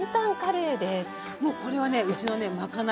もうこれはねうちのね賄い。